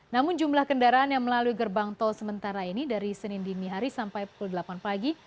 namun jumlah kendaraan yang melalui gerbang tol sementara ini dari senin dini hari sampai pukul delapan pagi